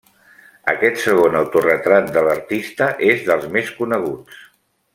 Aquest segon autoretrat de l'artista és dels més coneguts.